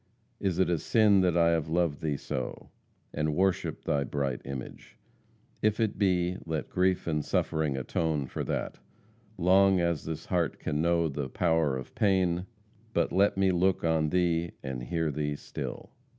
Is it a sin that I have loved thee so, And worshiped thy bright image? If it be, Let grief and suffering atone for that, Long as this heart can know the power of pain, But let me look on thee and hear thee still."